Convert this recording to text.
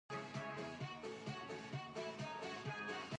The show also featured drawings or posters that were sent in by viewers.